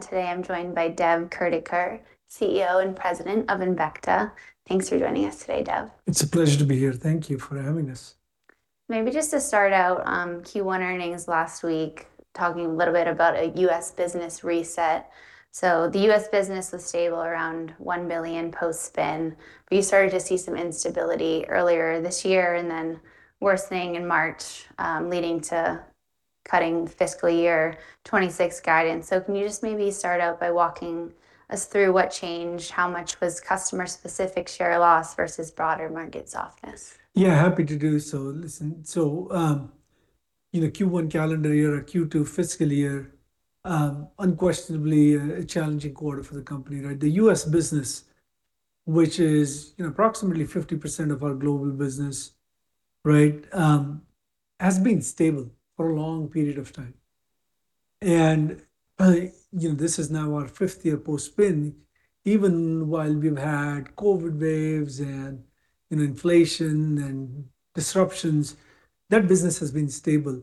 Today I'm joined by Devdatt Kurdikar, CEO and President of Embecta. Thanks for joining us today, Dev. It's a pleasure to be here. Thank you for having us. Maybe just to start out, Q1 earnings last week, talking a little bit about a U.S. business reset. The U.S. business was stable around $1 billion post-spin, but you started to see some instability earlier this year and then worsening in March, leading to cutting FY 2026 guidance. Can you just maybe start out by walking us through what changed, how much was customer-specific share loss versus broader market softness? Yeah, happy to do so. Listen, in the Q1 calendar year or Q2 fiscal year, unquestionably a challenging quarter for the company, right? The U.S. business, which is, you know, approximately 50% of our global business, right, has been stable for a long period of time. You know, this is now our fifth year post-spin. Even while we've had COVID waves and, you know, inflation and disruptions, that business has been stable.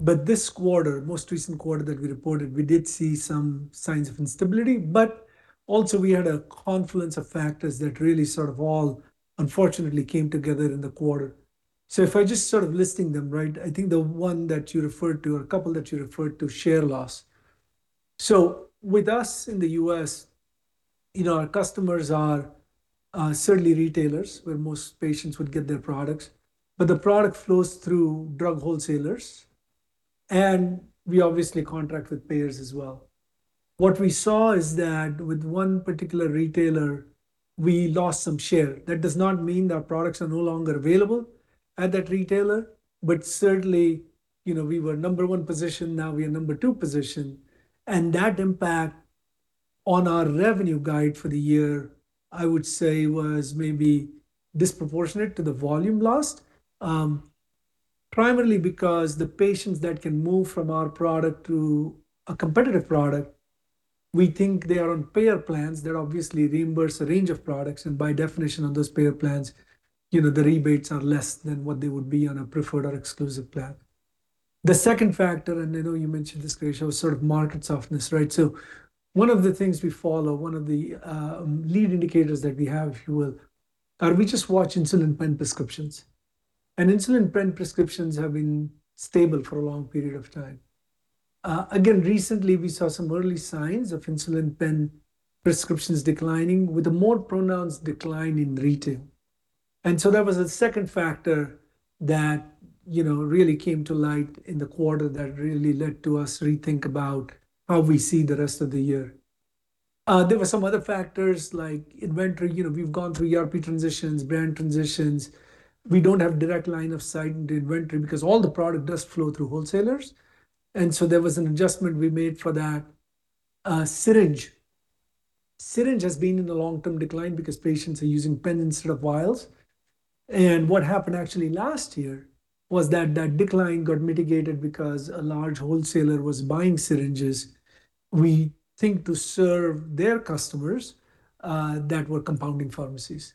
This quarter, most recent quarter that we reported, we did see some signs of instability, but also we had a confluence of factors that really sort of all unfortunately came together in the quarter. If I just sort of listing them, right? I think the one that you referred to or a couple that you referred to, share loss. With us in the U.S., you know, our customers are certainly retailers where most patients would get their products, but the product flows through drug wholesalers, and we obviously contract with payers as well. What we saw is that with one particular retailer, we lost some share. That does not mean our products are no longer available at that retailer, but certainly, you know, we were number one position, now we are number two position. That impact on our revenue guide for the year, I would say was maybe disproportionate to the volume lost, primarily because the patients that can move from our product to a competitive product, we think they are on payer plans that obviously reimburse a range of products, and by definition on those payer plans, you know, the rebates are less than what they would be on a preferred or exclusive plan. The second factor, and I know you mentioned this, Craig, was sort of market softness, right? One of the things we follow, one of the lead indicators that we have, if you will, we just watch insulin pen prescriptions. Insulin pen prescriptions have been stable for a long period of time. Again, recently, we saw some early signs of insulin pen prescriptions declining with a more pronounced decline in retail. That was the second factor that, you know, really came to light in the quarter that really led to us rethink about how we see the rest of the year. There were some other factors like inventory. You know, we've gone through ERP transitions, brand transitions. We don't have direct line of sight into inventory because all the product does flow through wholesalers. There was an adjustment we made for that. Syringe. Syringe has been in a long-term decline because patients are using pens instead of vials. What happened actually last year was that that decline got mitigated because a large wholesaler was buying syringes, we think to serve their customers that were compounding pharmacies.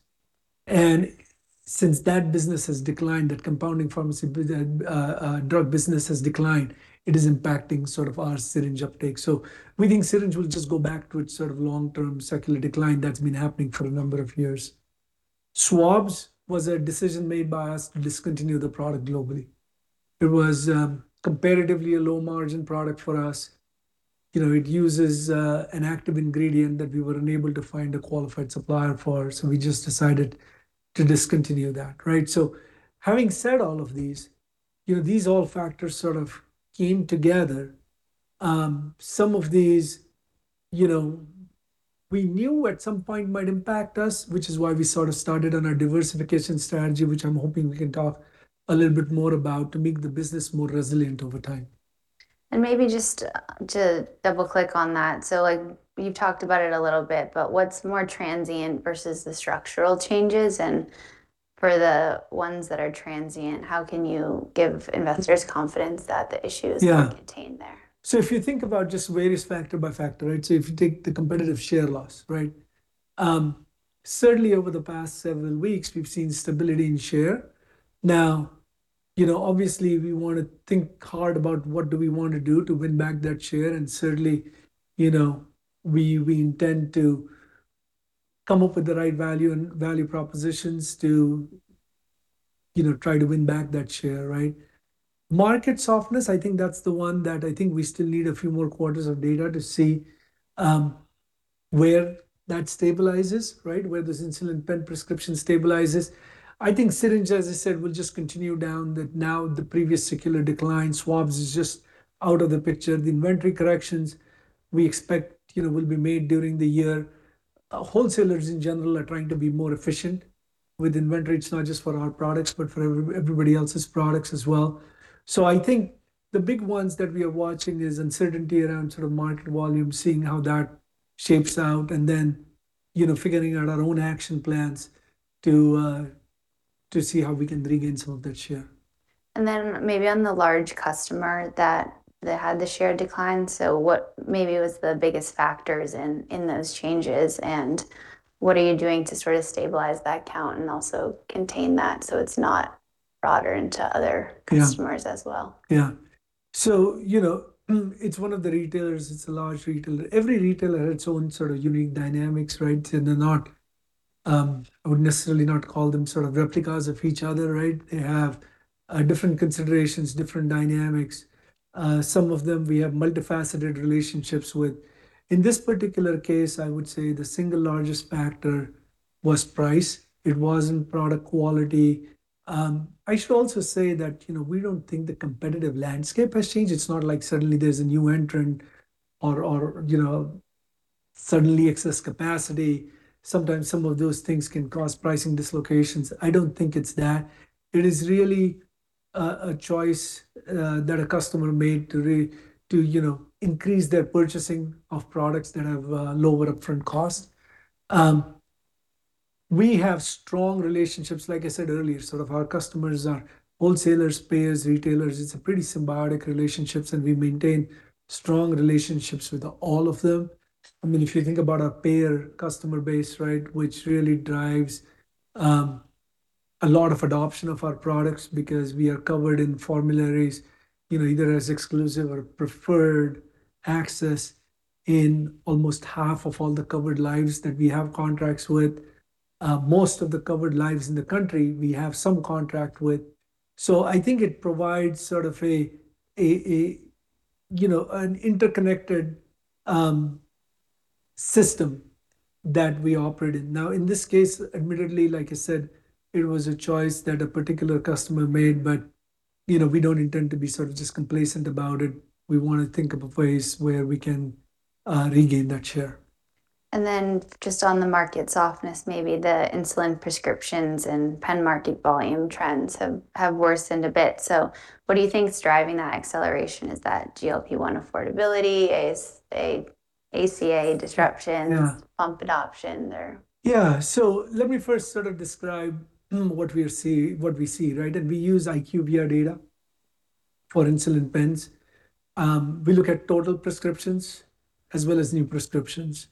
Since that business has declined, that compounding pharmacy drug business has declined, it is impacting sort of our syringe uptake. We think syringe will just go back to its sort of long-term secular decline that's been happening for a number of years. Swabs was a decision made by us to discontinue the product globally. It was comparatively a low margin product for us. You know, it uses, an active ingredient that we were unable to find a qualified supplier for, so we just decided to discontinue that, right? Having said all of these, you know, these all factors sort of came together. Some of these, you know, we knew at some point might impact us, which is why we sort of started on our diversification strategy, which I'm hoping we can talk a little bit more about to make the business more resilient over time. Maybe just to double-click on that. Like, you've talked about it a little bit, but what's more transient versus the structural changes? For the ones that are transient, how can you give investors confidence that the issue is? Yeah contained there? If you think about just various factor by factor, right? If you take the competitive share loss, right? Certainly over the past several weeks, we've seen stability in share. Now, you know, obviously we want to think hard about what do we want to do to win back that share, and certainly, you know, we intend to come up with the right value and value propositions to, you know, try to win back that share, right? Market softness, I think that's the one that I think we still need a few more quarters of data to see where that stabilizes, right? Where this insulin pen prescription stabilizes. I think syringe, as I said, will just continue down that now the previous secular decline. Swabs is just out of the picture. The inventory corrections we expect, you know, will be made during the year. Wholesalers in general are trying to be more efficient with inventory. It's not just for our products, but for everybody else's products as well. I think the big ones that we are watching is uncertainty around sort of market volume, seeing how that shapes out, and then, you know, figuring out our own action plans to see how we can bring in some of that share. Then maybe on the large customer that they had the share decline. What maybe was the biggest factors in those changes, and what are you doing to sort of stabilize that count and also contain that so it's not? Yeah customers as well. Yeah. You know, it's one of the retailers, it's a large retailer. Every retailer has its own sort of unique dynamics, right? They're not, I would necessarily not call them sort of replicas of each other, right? They have different considerations, different dynamics. Some of them we have multifaceted relationships with. In this particular case, I would say the single largest factor was price. It wasn't product quality. I should also say that, you know, we don't think the competitive landscape has changed. It's not like suddenly there's a new entrant or, you know, suddenly excess capacity. Sometimes some of those things can cause pricing dislocations. I don't think it's that. It is really a choice that a customer made to, you know, increase their purchasing of products that have lower upfront cost. We have strong relationships, like I said earlier, sort of our customers are wholesalers, payers, retailers. It's a pretty symbiotic relationships. We maintain strong relationships with all of them. I mean, if you think about our payer customer base, right, which really drives a lot of adoption of our products because we are covered in formularies, you know, either as exclusive or preferred access in almost half of all the covered lives that we have contracts with. Most of the covered lives in the country, we have some contract with. I think it provides sort of a, you know, an interconnected system that we operate in. In this case, admittedly, like I said, it was a choice that a particular customer made, but, you know, we don't intend to be sort of just complacent about it. We want to think of a place where we can regain that share. Just on the market softness, maybe the insulin prescriptions and pen market volume trends have worsened a bit. What do you think is driving that acceleration? Is that GLP-1 affordability? Is ACA disruption? Yeah pump adoption or? Yeah. Let me first sort of describe what we see, right? We use IQVIA data for insulin pens. We look at total prescriptions as well as new prescriptions.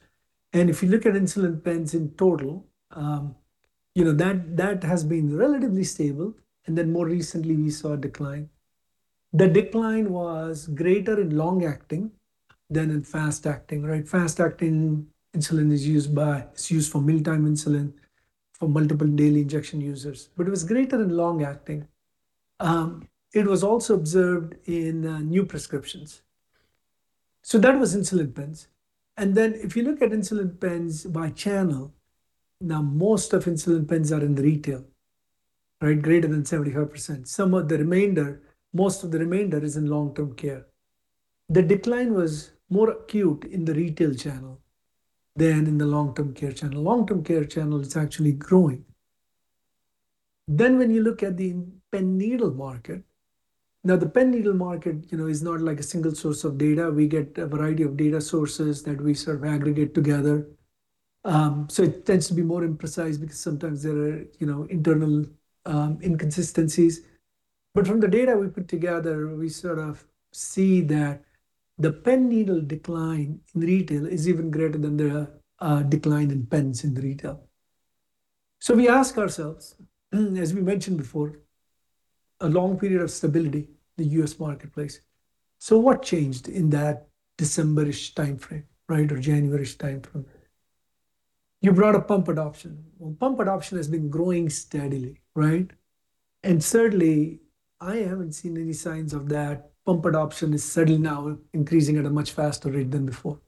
If you look at insulin pens in total, you know, that has been relatively stable, then more recently, we saw a decline. The decline was greater in long-acting than in fast-acting, right? Fast-acting insulin is used for mealtime insulin for multiple daily injection users, it was greater in long-acting. It was also observed in new prescriptions. That was insulin pens. If you look at insulin pens by channel, now most of insulin pens are in the retail, right? Greater than 75%. Some of the remainder, most of the remainder is in long-term care. The decline was more acute in the retail channel than in the long-term care channel. Long-term care channel is actually growing. When you look at the pen needle market. Now, the pen needle market, you know, is not like a single source of data. We get a variety of data sources that we sort of aggregate together. It tends to be more imprecise because sometimes there are, you know, internal inconsistencies. From the data we put together, we sort of see that the pen needle decline in retail is even greater than the decline in pens in retail. We ask ourselves, as we mentioned before, a long period of stability, the U.S. marketplace. What changed in that December-ish timeframe, right, or January-ish timeframe? You brought up pump adoption. Pump adoption has been growing steadily, right? Certainly, I haven't seen any signs of that pump adoption is suddenly now increasing at a much faster rate than before.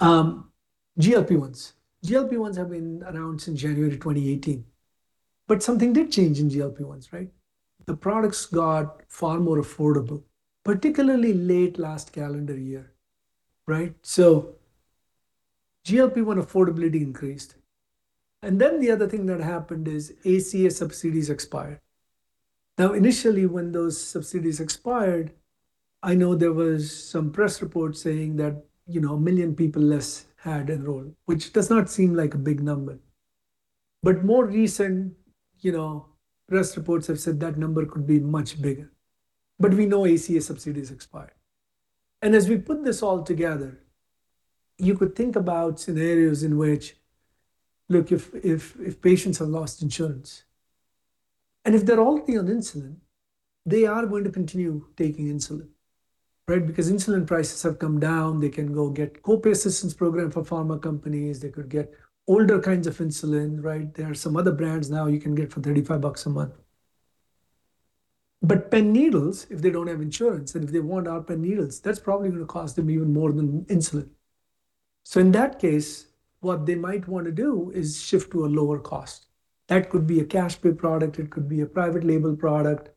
GLP-1s. GLP-1s have been around since January 2018, but something did change in GLP-1s, right? The products got far more affordable, particularly late last calendar year, right? GLP-1 affordability increased. The other thing that happened is ACA subsidies expired. Now, initially, when those subsidies expired, I know there was some press reports saying that, you know, 1 million people less had enrolled, which does not seem like a big number. More recent, you know, press reports have said that number could be much bigger. We know ACA subsidies expired. As we put this all together, you could think about scenarios in which, look, if patients have lost insurance, and if they're already on insulin, they are going to continue taking insulin, right? Insulin prices have come down. They can go get co-pay assistance program for pharma companies. They could get older kinds of insulin, right? There are some other brands now you can get for $35 a month. Pen needles, if they don't have insurance, and if they want our pen needles, that's probably gonna cost them even more than insulin. In that case, what they might wanna do is shift to a lower cost. That could be a cash pay product, it could be a private label product,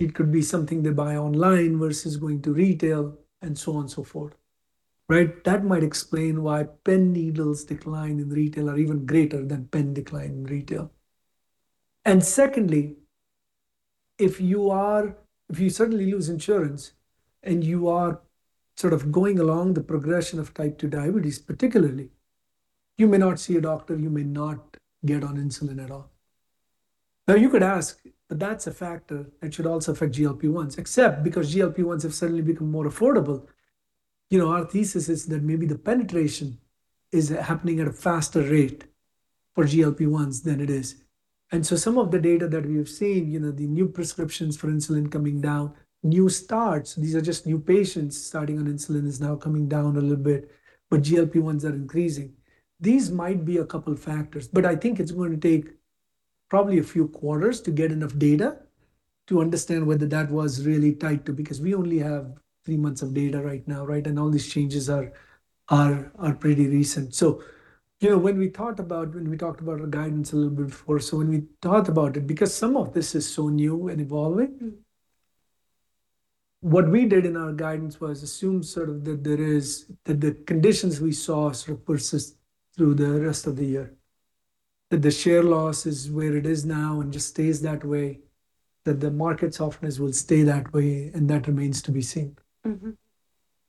it could be something they buy online versus going to retail, and so on and so forth. Right? That might explain why pen needles decline in retail are even greater than pen decline in retail. Secondly, if you suddenly lose insurance and you are sort of going along the progression of type 2 diabetes, particularly, you may not see a doctor, you may not get on insulin at all. You could ask, but that's a factor that should also affect GLP-1s, except because GLP-1s have suddenly become more affordable. You know, our thesis is that maybe the penetration is happening at a faster rate for GLP-1s than it is. Some of the data that we have seen, you know, the new prescriptions for insulin coming down, new starts, these are just new patients starting on insulin, is now coming down a little bit, but GLP-1s are increasing. These might be a couple factors, but I think it's going to take probably a few quarters to get enough data to understand whether that was really tied to because we only have three months of data right now, right? All these changes are pretty recent. You know, when we thought about, when we talked about our guidance a little bit before, so when we thought about it, because some of this is so new and evolving, what we did in our guidance was assume sort of that there is, that the conditions we saw sort of persist through the rest of the year. That the share loss is where it is now and just stays that way, that the market softness will stay that way, and that remains to be seen. Mm-hmm.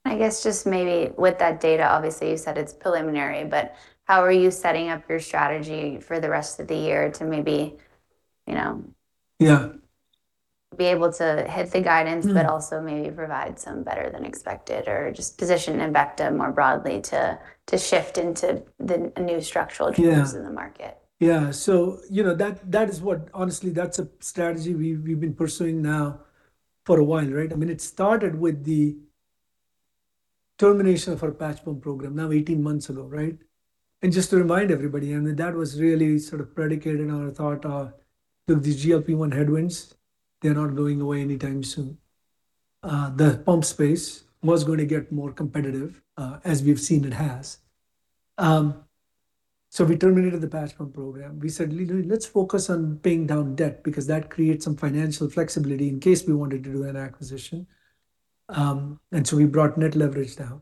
I guess just maybe with that data, obviously, you said it's preliminary, but how are you setting up your strategy for the rest of the year to maybe, you know? Yeah be able to hit the guidance also maybe provide some better than expected or just position Embecta more broadly to shift into a new structural trends. Yeah in the market. Yeah. You know, honestly, that's a strategy we've been pursuing now for a while, right? I mean, it started with the termination of our patch pump program, now 18 months ago, right? Just to remind everybody, I mean, that was really sort of predicated on a thought of, look, these GLP-1 headwinds, they're not going away anytime soon. The pump space was gonna get more competitive, as we've seen it has. We terminated the patch pump program. We said, "Look, let's focus on paying down debt, because that creates some financial flexibility in case we wanted to do an acquisition." We brought net leverage down.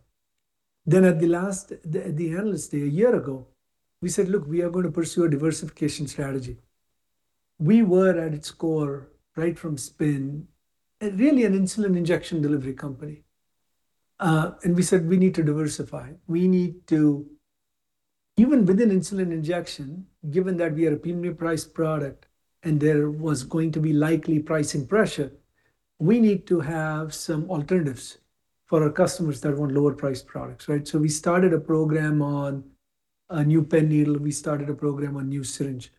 At the last, the Investor Day a year ago, we said, "Look, we are going to pursue a diversification strategy." We were at its core, right from spin, really an insulin injection delivery company. We said, "We need to diversify. Even with an insulin injection, given that we are a premium priced product and there was going to be likely pricing pressure, we need to have some alternatives for our customers that want lower priced products," right? We started a program on a new pen needle. We started a program on new syringe.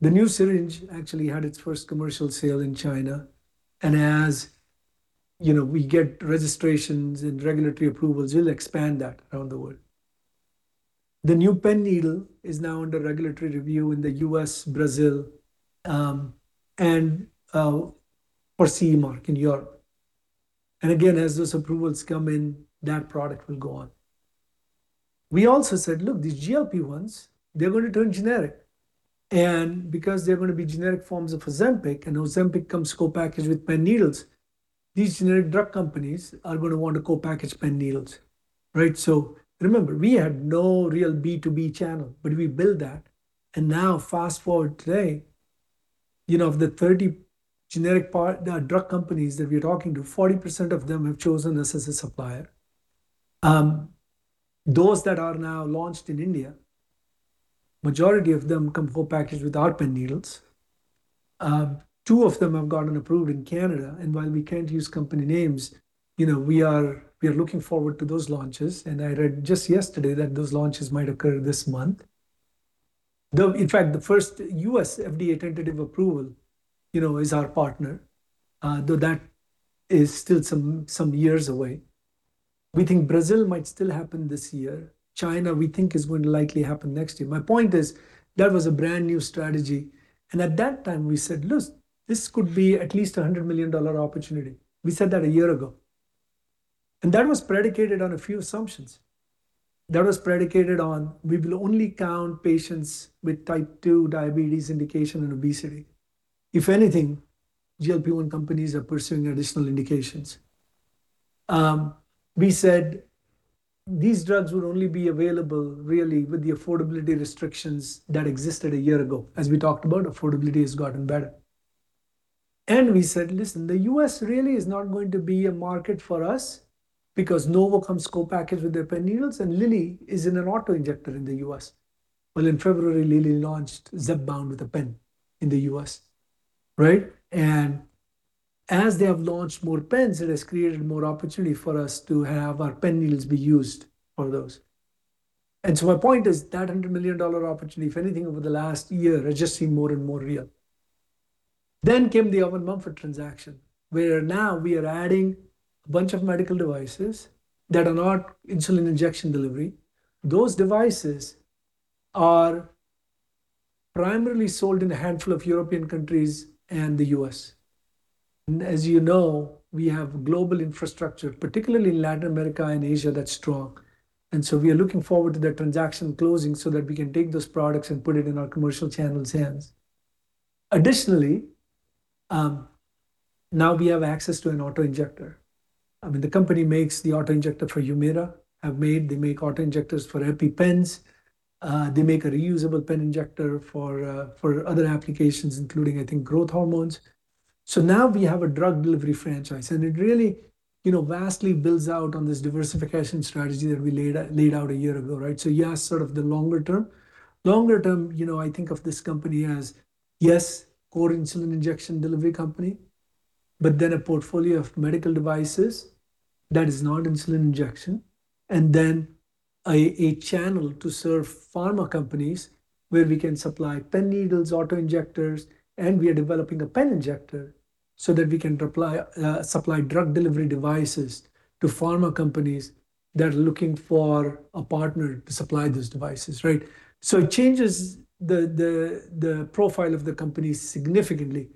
The new syringe actually had its first commercial sale in China, and as, you know, we get registrations and regulatory approvals, we will expand that around the world. The new pen needle is now under regulatory review in the U.S., Brazil, and for CE mark in Europe. Again, as those approvals come in, that product will go on. We also said, "Look, these GLP-1s, they're gonna turn generic. Because they're gonna be generic forms of Ozempic, and Ozempic comes co-packaged with pen needles, these generic drug companies are gonna want to co-package pen needles." Right? Remember, we had no real B2B channel, but we built that. Now fast-forward today, you know, of the 30 generic partner drug companies that we're talking to, 40% of them have chosen us as a supplier. Those that are now launched in India, majority of them come full packaged with our pen needles. Two of them have gotten approved in Canada, and while we can't use company names, you know, we are looking forward to those launches. I read just yesterday that those launches might occur this month. In fact, the first U.S. FDA tentative approval, you know, is our partner, though that is still some years away. We think Brazil might still happen this year. China, we think, is going to likely happen next year. My point is that was a brand-new strategy. At that time we said, "Look, this could be at least a $100 million opportunity." We said that a year ago. That was predicated on a few assumptions. That was predicated on, we will only count patients with type 2 diabetes indication and obesity. If anything, GLP-1 companies are pursuing additional indications. We said these drugs would only be available really with the affordability restrictions that existed a year ago. As we talked about, affordability has gotten better. We said, "Listen, the U.S. really is not going to be a market for us because Novo comes co-packaged with their pen needles, and Lilly is in an autoinjector in the U.S." Well, in February, Lilly launched Zepbound with a pen in the U.S. Right? As they have launched more pens, it has created more opportunity for us to have our pen needles be used for those. My point is, that $100 million opportunity, if anything, over the last year has just seemed more and more real. Came the Owen Mumford transaction, where now we are adding a bunch of medical devices that are not insulin injection delivery. Those devices are primarily sold in a handful of European countries and the U.S. As you know, we have global infrastructure, particularly in Latin America and Asia, that's strong. We are looking forward to that transaction closing so that we can take those products and put it in our commercial channels' hands. Additionally, now we have access to an autoinjector. I mean, the company makes the autoinjector for HUMIRA, they make autoinjectors for EpiPens. They make a reusable pen injector for other applications, including, I think, growth hormones. Now we have a drug delivery franchise, and it really, you know, vastly builds out on this diversification strategy that we laid out a year ago, right? Yeah, sort of the longer term. Longer term, you know, I think of this company as yes, core insulin injection delivery company, but then a portfolio of medical devices that is not insulin injection, and then a channel to serve pharma companies where we can supply pen needles, autoinjectors, and we are developing a pen injector so that we can supply drug delivery devices to pharma companies that are looking for a partner to supply these devices, right? It changes the profile of the company significantly.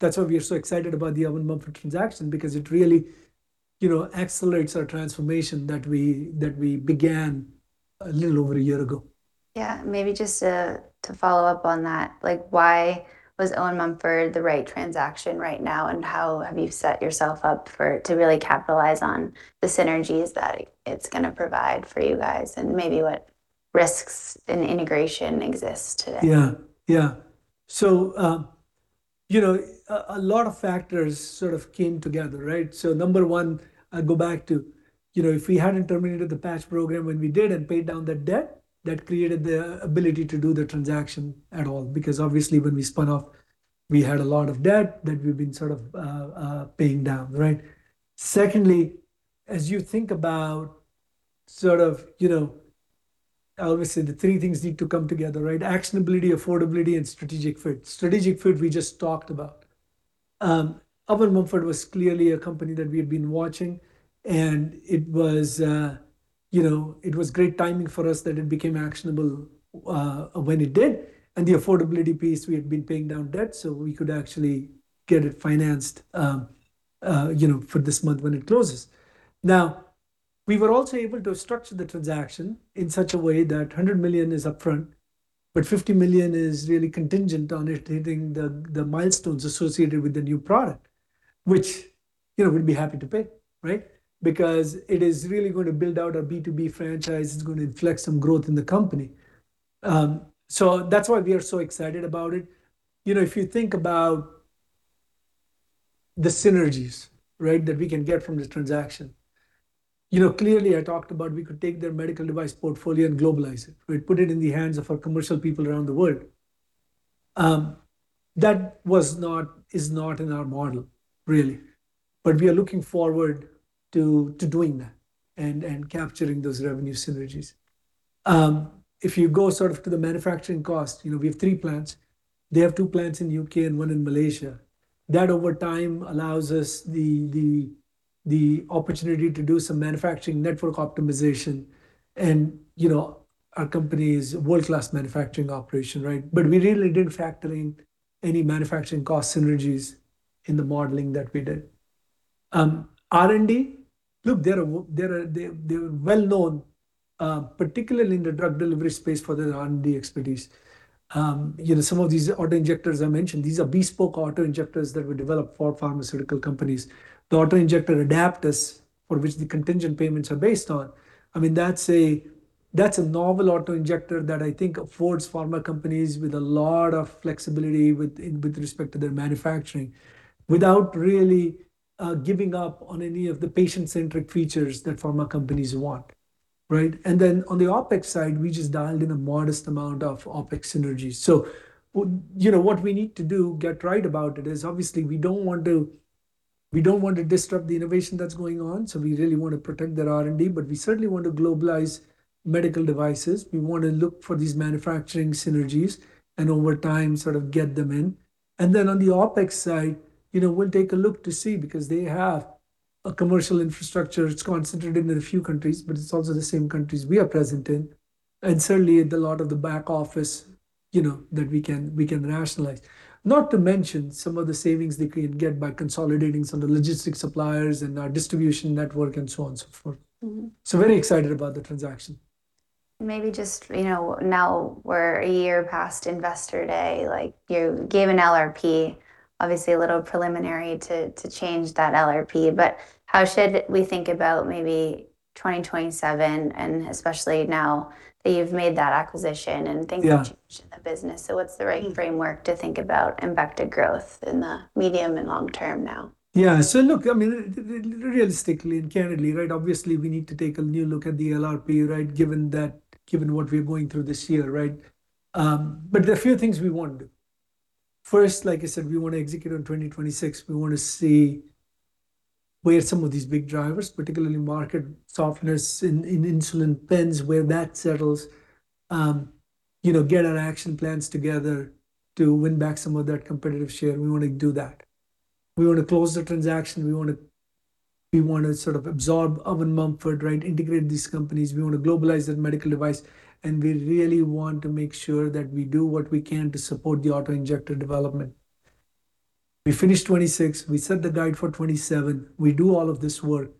That's why we are so excited about the Owen Mumford transaction because it really, you know, accelerates our transformation that we began a little over a year ago. Yeah. Maybe just to follow up on that, like, why was Owen Mumford the right transaction right now, how have you set yourself up to really capitalize on the synergies that it's gonna provide for you guys, maybe what risks in integration exist today? Yeah. Yeah. You know, a lot of factors sort of came together, right? Number one, I go back to, you know, if we hadn't terminated the patch program when we did and paid down the debt, that created the ability to do the transaction at all. Because obviously when we spun off, we had a lot of debt that we've been sort of paying down, right? Secondly, as you think about sort of, you know, I always say the three things need to come together, right? Actionability, affordability, and strategic fit. Strategic fit, we just talked about. Owen Mumford was clearly a company that we had been watching, and it was, you know, it was great timing for us that it became actionable when it did. The affordability piece, we had been paying down debt, so we could actually get it financed, you know, for this month when it closes. We were also able to structure the transaction in such a way that $100 million is upfront, but $50 million is really contingent on it hitting the milestones associated with the new product, which, you know, we'll be happy to pay, right? It is really gonna build out our B2B franchise. It's gonna inflect some growth in the company. That's why we are so excited about it. You know, if you think about the synergies, right, that we can get from the transaction. You know, clearly I talked about we could take their medical device portfolio and globalize it. We put it in the hands of our commercial people around the world. That was not, is not in our model, really. We are looking forward to doing that and capturing those revenue synergies. If you go sort of to the manufacturing cost, you know, we have three plants. They have two plants in U.K. and one in Malaysia. That over time allows us the opportunity to do some manufacturing network optimization. You know, our company is a world-class manufacturing operation, right? We really didn't factor in any manufacturing cost synergies in the modeling that we did. R&D, look, they're a well-known, particularly in the drug delivery space for their R&D expertise. You know, some of these autoinjectors I mentioned, these are bespoke autoinjectors that were developed for pharmaceutical companies. The autoinjector Aidaptus for which the contingent payments are based on, I mean, that's a novel autoinjector that I think affords pharma companies with a lot of flexibility with respect to their manufacturing, without really giving up on any of the patient-centric features that pharma companies want, right? On the OpEx side, we just dialed in a modest amount of OpEx synergies. You know, what we need to do, get right about it, is obviously we don't want to disrupt the innovation that's going on, we really want to protect their R&D, we certainly want to globalize medical devices. We wanna look for these manufacturing synergies and over time sort of get them in. On the OpEx side, you know, we'll take a look to see, because they have a commercial infrastructure. It's concentrated in a few countries, but it's also the same countries we are present in, and certainly a lot of the back office, you know, that we can rationalize. Not to mention some of the savings they could get by consolidating some of the logistics suppliers and our distribution network and so on and so forth. Very excited about the transaction. Maybe just, you know, now we're a year past Investor Day, like you gave an LRP, obviously a little preliminary to change that LRP. How should we think about maybe 2027 and especially now that you've made that acquisition? Yeah have changed in the business? What's the right framework to think about Embecta growth in the medium and long term now? I mean, realistically and candidly, right? Obviously, we need to take a new look at the LRP, right? Given that, given what we're going through this year, right? There are a few things we wanna do. First, like I said, we wanna execute on 2026. We wanna see where some of these big drivers, particularly market softness in insulin pens, where that settles. You know, get our action plans together to win back some of that competitive share. We wanna do that. We wanna close the transaction. We wanna sort of absorb Owen Mumford, right? Integrate these companies. We want to globalize that medical device, and we really want to make sure that we do what we can to support the autoinjector development. We finish 2026, we set the guide for 2027, we do all of this work.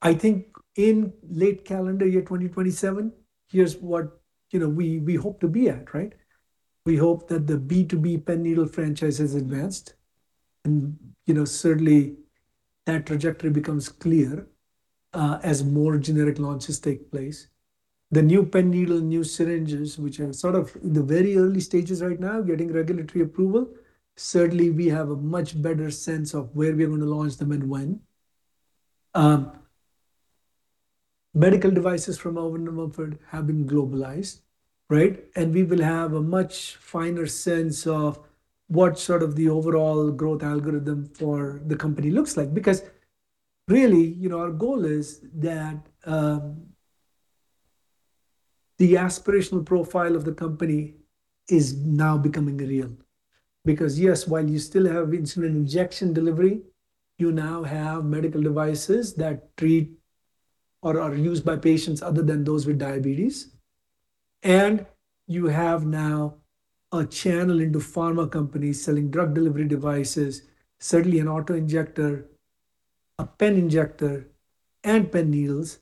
I think in late calendar year 2027, here's what, you know, we hope to be at, right? We hope that the B2B pen needle franchise has advanced and, you know, certainly that trajectory becomes clear as more generic launches take place. The new pen needle, new syringes, which are sort of in the very early stages right now, getting regulatory approval, certainly we have a much better sense of where we are gonna launch them and when. Medical devices from Owen Mumford have been globalized, right? We will have a much finer sense of what sort of the overall growth algorithm for the company looks like. Really, you know, our goal is that the aspirational profile of the company is now becoming real. Because yes, while you still have insulin injection delivery, you now have medical devices that treat or are used by patients other than those with diabetes. You have now a channel into pharma companies selling drug delivery devices, certainly an autoinjector, a pen injector, and pen needles,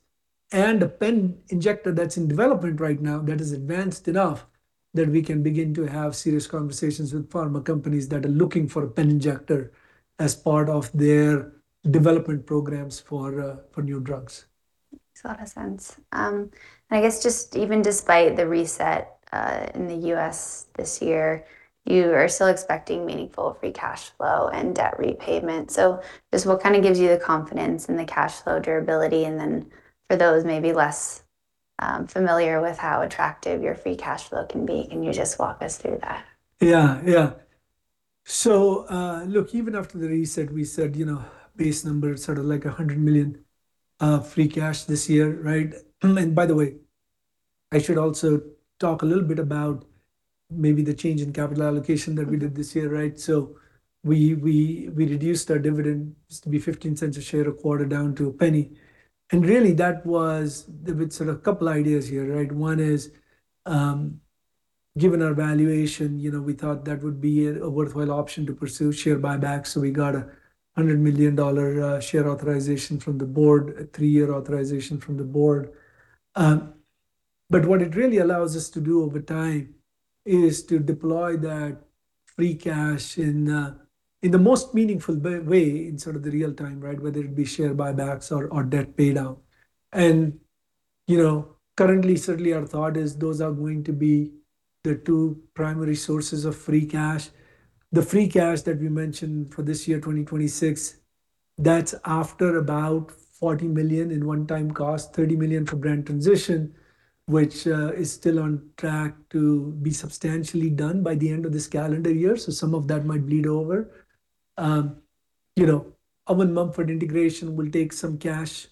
and a pen injector that's in development right now that is advanced enough that we can begin to have serious conversations with pharma companies that are looking for a pen injector as part of their development programs for new drugs. Makes a lot of sense. I guess just even despite the reset in the U.S. this year, you are still expecting meaningful free cash flow and debt repayment. Just what kind of gives you the confidence in the cash flow durability, and then for those maybe less familiar with how attractive your free cash flow can be. Can you just walk us through that? Yeah. Yeah. Look, even after the reset, we said, you know, base number is sort of like $100 million free cash this year. By the way, I should also talk a little bit about maybe the change in capital allocation that we did this year. We reduced our dividend. Used to be $0.15 a share a quarter down to $0.01. Really, that was There've been sort of couple ideas here. One is, given our valuation, you know, we thought that would be a worthwhile option to pursue share buybacks, so we got a $100 million share authorization from the board, a three-year authorization from the board. What it really allows us to do over time is to deploy that free cash in the most meaningful way in sort of the real time, right? Whether it be share buybacks or debt paydown. You know, currently, certainly our thought is those are going to be the two primary sources of free cash. The free cash that we mentioned for this year, 2026, that's after about $40 million in one-time cost, $30 million for brand transition, which is still on track to be substantially done by the end of this calendar year, so some of that might bleed over. You know, Owen Mumford integration will take some cash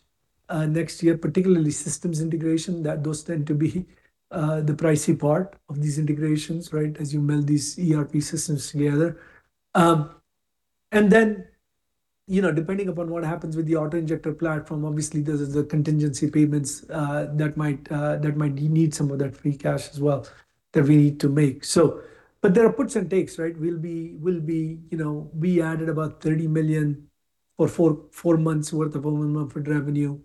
next year, particularly systems integration. Those tend to be the pricey part of these integrations, right? As you meld these ERP systems together. You know, depending upon what happens with the autoinjector platform, obviously there's the contingency payments that might need some of that free cash as well, that we need to make. There are puts and takes, right? You know, we added about $30 million for four months worth of Owen Mumford revenue.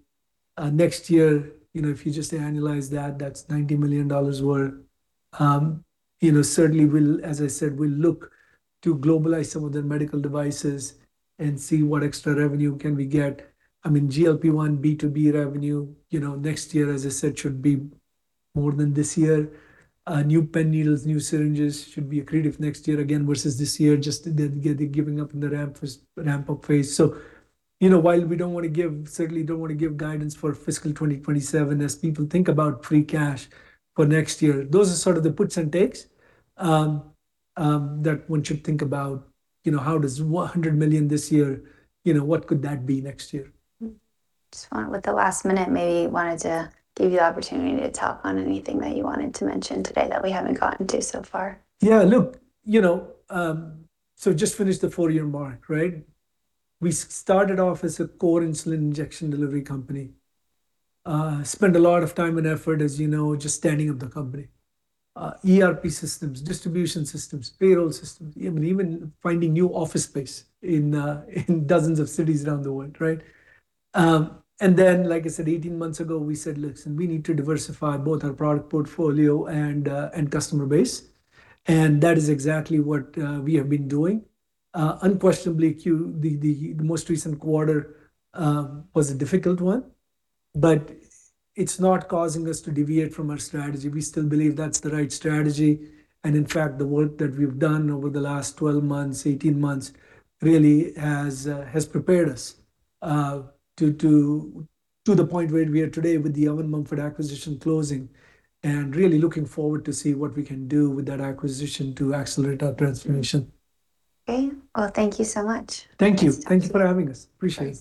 Next year, you know, if you just annualize that's $90 million worth. You know, certainly we'll, as I said, we'll look to globalize some of their medical devices and see what extra revenue can we get. I mean, GLP-1 B2B revenue, you know, next year, as I said, should be more than this year. New pen needles, new syringes should be accretive next year again versus this year, just the giving up in the ramp-up phase. You know, while we don't wanna give, certainly don't wanna give guidance for fiscal 2027 as people think about free cash for next year. Those are sort of the puts and takes that one should think about, you know, how does $100 million this year, you know, what could that be next year? With the last minute, maybe wanted to give you the opportunity to tap on anything that you wanted to mention today that we haven't gotten to so far. Look, you know, just finished the four-year mark, right? We started off as a core insulin injection delivery company. Spent a lot of time and effort, as you know, just standing up the company. ERP systems, distribution systems, payroll systems. Even finding new office space in dozens of cities around the world, right? Like I said, 18 months ago, we said, "Listen, we need to diversify both our product portfolio and customer base." That is exactly what we have been doing. Unquestionably the most recent quarter was a difficult one, it's not causing us to deviate from our strategy. We still believe that's the right strategy. In fact, the work that we've done over the last 12 months, 18 months really has prepared us to the point where we are today with the Owen Mumford acquisition closing. Really looking forward to see what we can do with that acquisition to accelerate our transformation. Okay. Well, thank you so much. Thank you. Next time. Thank you for having us. Appreciate it.